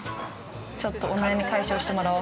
ちょっとお悩み解消してもらおう。